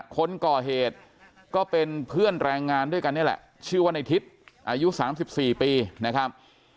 คนก่อเหตุก็เป็นเพื่อนแรงงานด้วยกันนี่แหละชื่อว่าในทิศอายุ๓๔ปีนะครับ